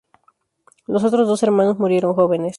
Los otros dos hermanos murieron jóvenes.